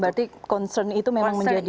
berarti concern itu memang menjadi